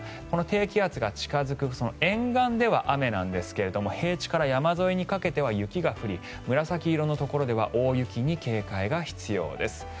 この低気圧が近付く沿岸では雨なんですが平地から山沿いにかけては雪が降り、紫色のところでは大雪に警戒が必要です。